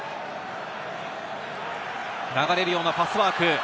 流れるようなパスワーク。